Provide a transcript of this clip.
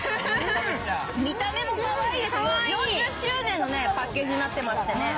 見た目もかわいい、４０周年のパッケージになってましてね。